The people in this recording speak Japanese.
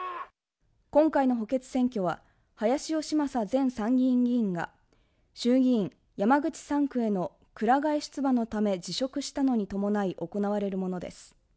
今回の補欠選挙は林芳正前参議院議員が衆議院山口３区へのくら替え出馬のため辞職したのに伴い行われるものです。